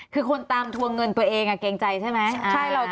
คือคนตามทวงเงินตัวเองเกรงใจใช่ไหม